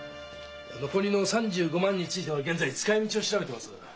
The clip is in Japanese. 残りの３５万については現在使いみちを調べてます。